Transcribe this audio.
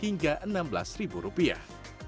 hingga enam belas rupiah